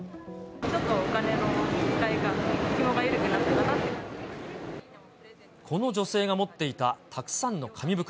ちょっとお金の使い方、この女性が持っていた、たくさんの紙袋。